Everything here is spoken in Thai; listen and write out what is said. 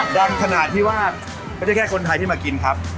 ดังขนาดที่ว่าไม่ใช่แค่คนไทยที่มากินครับ